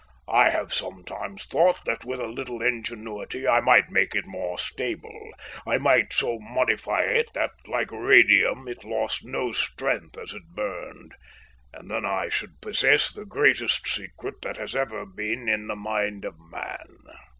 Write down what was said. I have sometimes thought that with a little ingenuity I might make it more stable, I might so modify it that, like radium, it lost no strength as it burned; and then I should possess the greatest secret that has ever been in the mind of man.